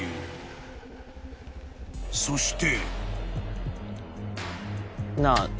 ［そして］